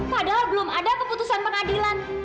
padahal belum ada keputusan pengadilan